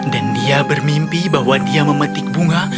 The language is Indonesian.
dan dia bermimpi bahwa dia memetik bunga